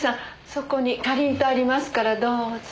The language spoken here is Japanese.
そこにかりんとうありますからどうぞ。